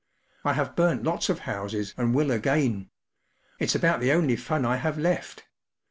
“ I have burnt lots of houses and will again. It’s about the only fun I have left.